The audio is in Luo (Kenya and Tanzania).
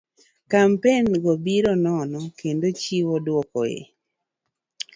Kampen go biro nono kendo chiwo dwoko e